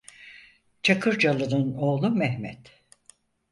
Çakırcalı'nın oğlu Mehmet.